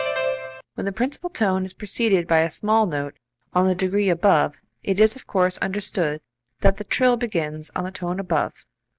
When the principal note is preceded by a small note on the degree above, it is of course understood that the trill begins on the tone above.